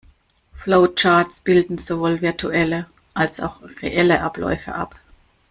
Flowcharts bilden sowohl virtuelle, als auch reelle Abläufe ab.